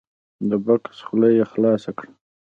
د بکس خوله یې خلاصه کړه !